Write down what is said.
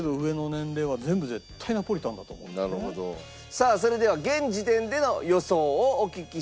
さあそれでは現時点での予想をお聞きしたいと思います。